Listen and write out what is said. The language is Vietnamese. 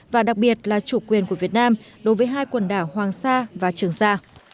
và đặc biệt là chủ quyền của việt nam đối với hai quần đảo hoàng sa và trường sa